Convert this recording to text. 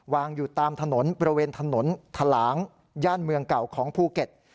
วางอยู่ตามถนนบริเวณถนนทะลางย่านเมืองเก่าของภูเก็ต